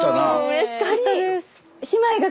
うれしかったです。